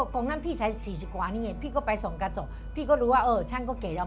กลมนั้นพี่ชายสี่สิบกว่านี่เฉยพี่ก็ไปส่งใกล้ชัก